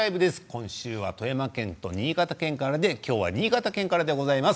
今週は富山県と新潟県からで今日は新潟県からです。